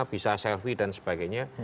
bisa selfie dan sebagainya